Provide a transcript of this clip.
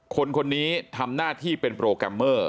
คนนี้ทำหน้าที่เป็นโปรแกรมเมอร์